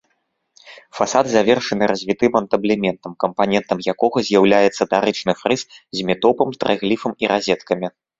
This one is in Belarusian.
Фасад завершаны развітым антаблементам, кампанентам якога з'яўляецца дарычны фрыз з метопамі, трыгліфамі і разеткамі.